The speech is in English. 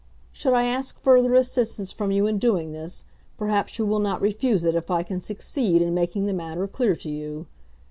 Should I ask further assistance from you in doing this, perhaps you will not refuse it if I can succeed in making the matter clear to you.